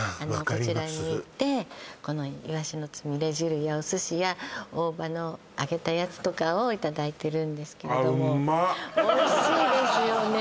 こちらに行ってこのイワシのつみれ汁やお寿司や大葉の揚げたやつとかをいただいてるんですけれどもおいしいですよね